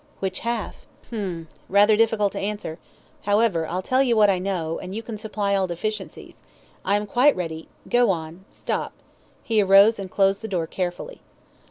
"Which half?" "Hum rather difficult to answer however, I'll tell you what I know, and you can supply all deficiencies. I am quite ready go on stop " he arose and closed the door carefully.